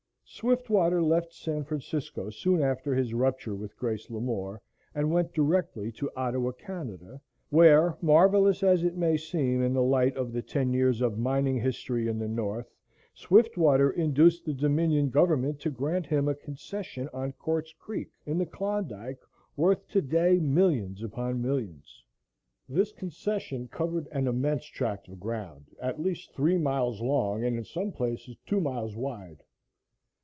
Swiftwater left San Francisco soon after his rupture with Grace Lamore and went directly to Ottawa, Canada, where, marvelous as it may seem in the light of the ten years of mining history in the north, Swiftwater induced the Dominion government to grant him a concession on Quartz Creek, in the Klondike, worth today millions upon millions. This concession covered an immense tract of ground at least three miles long and in some places two miles wide.